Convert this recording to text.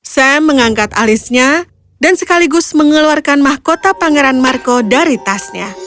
sam mengangkat alisnya dan sekaligus mengeluarkan mahkota pangeran marco dari tasnya